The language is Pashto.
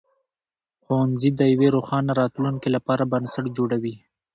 ښوونځي د یوې روښانه راتلونکې لپاره بنسټ جوړوي.